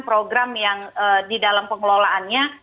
program yang di dalam pengelolaannya